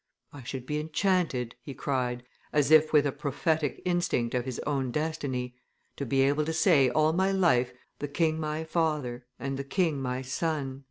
"I should be enchanted," he cried, as if with a prophetic instinct of his own destiny, "to be able to say all my life, 'The king my father, and the king my SON.